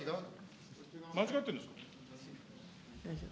間違ってるんですか。